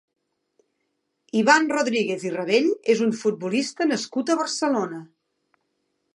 Iván Rodríguez i Rabell és un futbolista nascut a Barcelona.